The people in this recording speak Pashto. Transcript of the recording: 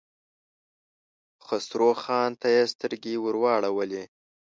خسرو خان ته يې سترګې ور واړولې.